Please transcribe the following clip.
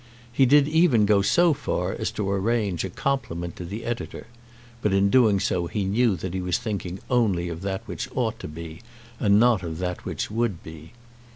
He did even go so far as to arrange a compliment to the editor, but in doing so he knew that he was thinking only of that which ought to be, and not of that which would be.